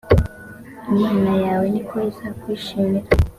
imana yawe ni ko izakwishimira.